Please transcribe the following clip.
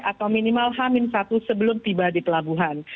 atau minimal hamil satu sebelum tiba di pelabuhan